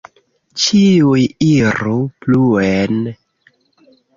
Ĉiuj iru pluen!